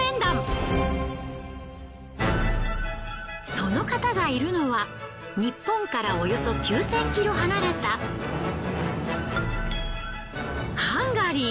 その方がいるのはニッポンからおよそ９，０００キロ離れたハンガリー。